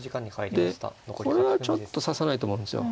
でこれはちょっと指さないと思うんですよ。